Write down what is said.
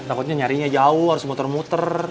takutnya nyarinya jauh harus muter muter